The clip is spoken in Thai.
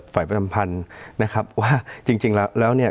ฝ่ายประจำพันธ์นะครับว่าจริงแล้วแล้วเนี่ย